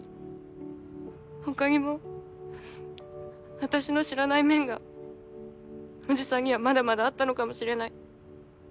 他にも私の知らない面がおじさんにはまだまだあったのかもしれない。